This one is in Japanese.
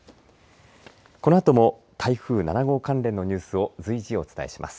このあとも台風７号関連のニュースを随時、お伝えします。